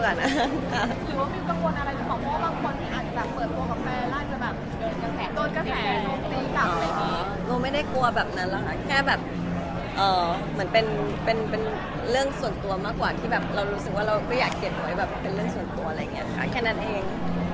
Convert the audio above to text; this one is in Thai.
ก็ไม่ได้กลัวแบบนั้นแหละค่ะแค่แบบเหมือนเป็นเรื่องส่วนตัวมากกว่าที่เรารู้สึกว่าเราอยากเก็บไว้แบบเป็นเรื่องส่วนตัวอะไรแบบนี้ค่ะแค่นั้นเอง